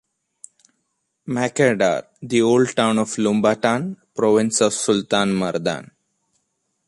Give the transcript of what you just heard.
Macadar, the old town of Lumbatan, Province of Sultan Mardan.